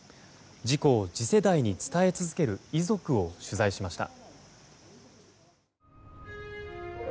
事故を次世代に伝え続ける遺族を取材しました。